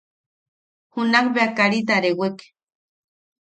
Junakbea karita rewek.